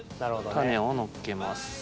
タネをのっけます。